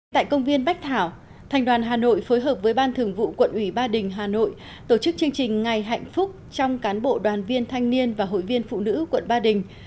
tại công viên bách thảo thành đoàn hà nội phối hợp với ban thường vụ quận ủy ba đình hà nội tổ chức chương trình ngày hạnh phúc trong cán bộ đoàn viên thanh niên và hội viên phụ nữ quận ba đình